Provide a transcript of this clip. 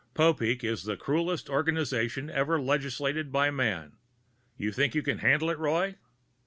Popeek is the cruelest organization ever legislated by man. You think you can handle it, Roy?